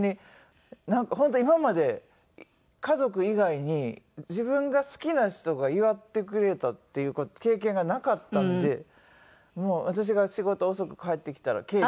本当に今まで家族以外に自分が好きな人が祝ってくれたっていう経験がなかったんで私が仕事遅く帰ってきたらケーキを買って。